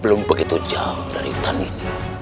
belum begitu jauh dari hutan ini